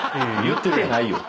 言ってないよ。